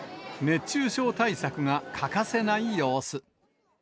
熱中症対策が欠かせない様子。